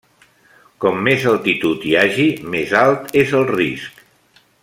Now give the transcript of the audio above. Com més altitud hi hagi, més alt és el risc.